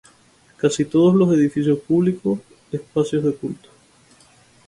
Casi todos edificios públicos, espacios de cultos.